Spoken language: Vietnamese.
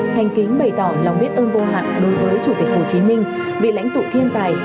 thành kính bày tỏ lòng biết ơn vô hạn đối với chủ tịch hồ chí minh vị lãnh tụ thiên tài